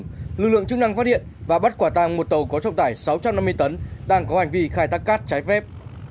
trong tuyến sông hồng lực lượng chức năng phát hiện và bắt quả tăng một tàu có trọng tải sáu trăm năm mươi tấn đang có hành vi khai thác cát trái phép